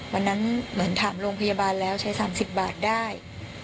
เหมือนถามโรงพยาบาลแล้วใช้๓๐บาทได้